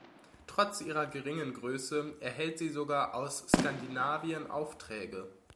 Trotz ihrer geringen Größe erhält sie sogar aus Skandinavien Aufträge.